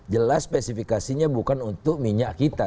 jelas spesifikasinya bukan untuk minyak kita